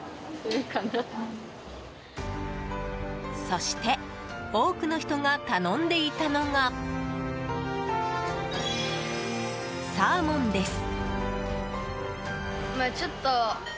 そして多くの人が頼んでいたのがサーモンです！